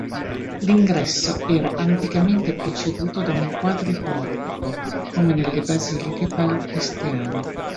L'ingresso era anticamente preceduto da un quadriportico, come nelle basiliche paleocristiane.